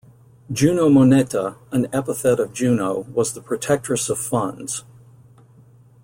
Juno Moneta, an epithet of Juno, was the protectress of funds.